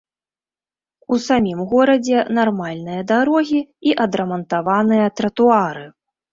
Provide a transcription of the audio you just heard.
У самім горадзе нармальныя дарогі і адрамантаваныя тратуары.